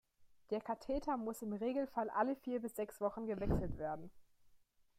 Der Katheter muss im Regelfall alle vier bis sechs Wochen gewechselt werden.